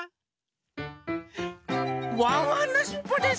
ワンワンのしっぽです！